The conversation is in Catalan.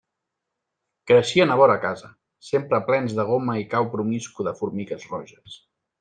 Creixien a vora casa, sempre plens de goma i cau promiscu de formigues roges.